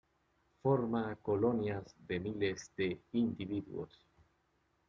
Forma colonias de miles de individuos.